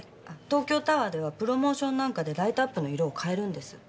東京タワーではプロモーションなんかでライトアップの色を変えるんです。